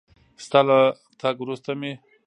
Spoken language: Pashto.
ستا له تګ وروسته مې